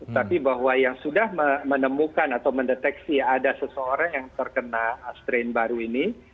tapi bahwa yang sudah menemukan atau mendeteksi ada seseorang yang terkena strain baru ini